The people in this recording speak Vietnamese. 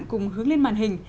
cùng hướng lên màn hình